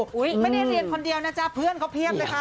ไม่ได้เรียนคนเดียวนะจ๊ะเพื่อนเขาเพียบเลยค่ะ